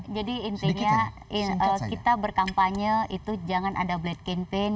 intinya kita berkampanye itu jangan ada black campaign